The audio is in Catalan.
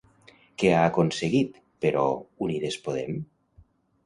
Què ha aconseguit però Unides Podem?